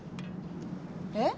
えっ？